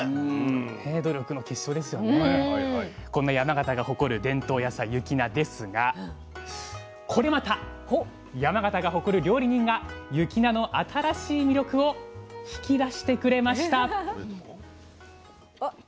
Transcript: こんな山形が誇る伝統野菜雪菜ですがこれまた山形が誇る料理人が雪菜の新しい魅力を引き出してくれました。